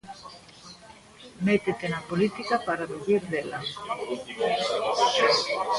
"Métete na política para vivir dela".